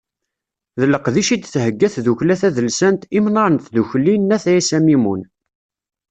D leqdic i d-thegga tddukkla tadelsant Imnar n Tdukli n At Ɛissa Mimun